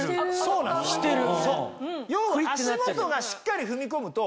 してる。